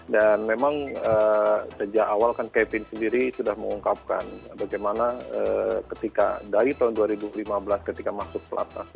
dan memang sejak awal kan kevin sendiri sudah mengungkapkan bagaimana ketika dari tahun dua ribu lima belas ketika masuk ke laptas